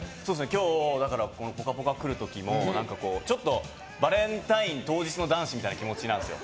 今日「ぽかぽか」来る時もちょっと、バレンタイン当日の男子みたいな気持ちなんですよ。